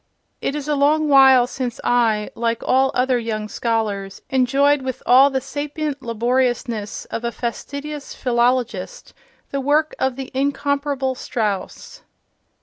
It is a long while since I, like all other young scholars, enjoyed with all the sapient laboriousness of a fastidious philologist the work of the incomparable Strauss.